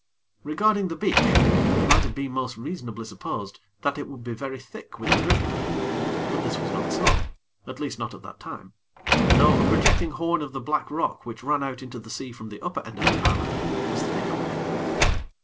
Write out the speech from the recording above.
Regarding the beach, it might have been most reasonably supposed that it would be very thick with the driftweed; but this was not so, at least, not at that time; though a projecting horn of the black rock which ran out into the sea from the upper end of the island, was thick with it.